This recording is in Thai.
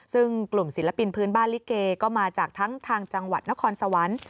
ซึ่งกลุ่มศิลปินพื้นบ้านลิเกก็มาจากทั้งทางจังหวัดนครสวรรค์